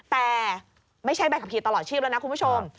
แต่ไม่ใช่ใบขับขี่ตลอดชีพแล้วนะคุณผู้ชม